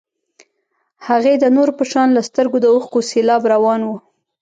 هغې د نورو په شان له سترګو د اوښکو سېلاب روان و.